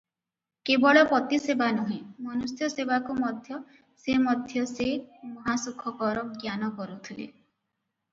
କେବଳ ପତିସେବା ନୁହେଁ, ମନୁଷ୍ୟ ସେବାକୁ ମଧ୍ୟ ସେ ମଧ୍ୟ ସେ ମହାସୁଖକର ଜ୍ଞାନ କରୁଥିଲେ ।